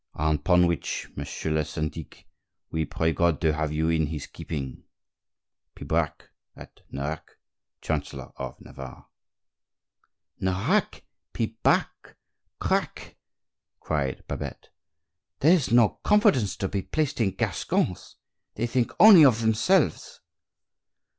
Upon which, Monsieur le syndic, we pray God to have you in His keeping. Pibrac, At Nerac. Chancellor of Navarre." "Nerac, Pibrac, crack!" cried Babette. "There's no confidence to be placed in Gascons; they think only of themselves."